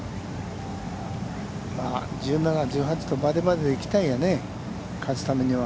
１７、１８とバーディーパットで行きたいよね、勝つためには。